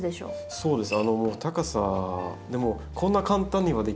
そうですね。